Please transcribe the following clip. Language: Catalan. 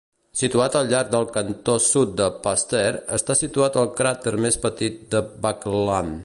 Situat al llarg del cantó sud de Pasteur està situat el crater més petit de Backlund.